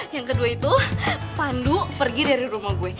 yang kedua itu pandu pergi dari rumah gue